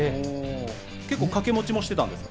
掛け持ちもしてたんですか？